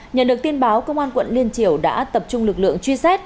nhận được tin báo công an quận liên triều đã tập trung lực lượng truy xét